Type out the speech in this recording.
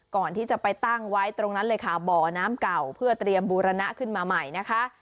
ก่อนที่จะไปตั้งไว้ตรงนั้นเลยค่ะบ่อน้ำเก่าเพื่อเตรียมบูรณะขึ้นมาใหม่นะคะ